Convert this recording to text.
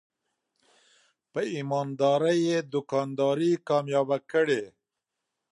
په ایماندارۍ یې دوکانداري کامیابه کړې.